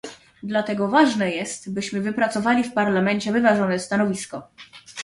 Dlatego ważne jest, byśmy wypracowali w Parlamencie wyważone stanowisko